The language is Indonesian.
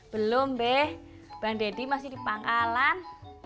belum be bang deddy masih di pangalan